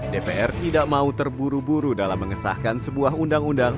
dpr tidak mau terburu buru dalam mengesahkan sebuah undang undang